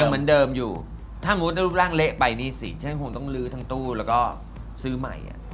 เหมือนเดิมอยู่ถ้ามุติรูปร่างเละไปนี่สิฉันคงต้องลื้อทั้งตู้แล้วก็ซื้อใหม่